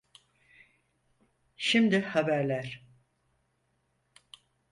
Şimdi haberler.